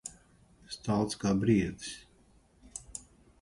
Stalts kā briedis.